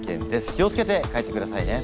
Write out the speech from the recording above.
気を付けて帰ってくださいね！